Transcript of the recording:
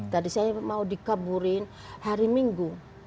tadi saya mau dikaburin hari minggu